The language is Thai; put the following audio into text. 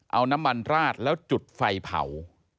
เอาน้ำมันราดแล้วจุดไฟเผา